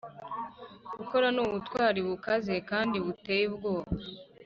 gukora, n'ubutwari bukaze kandi buteye ubwoba,